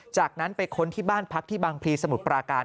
จากนั้นไปค้นที่บ้านพักที่บางพลีสมุทรปราการ